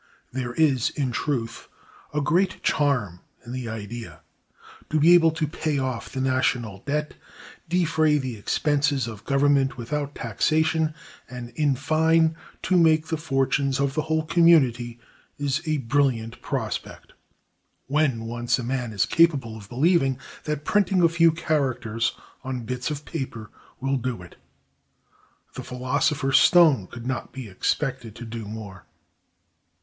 There is, in truth, a great charm in the idea. To be able to pay off the national debt, defray the expenses of government without taxation, and, in fine, to make the fortunes of the whole community, is a brilliant prospect, when once a man is capable of believing that printing a few characters on bits of paper will do it. The philosopher's stone could not be expected to do more.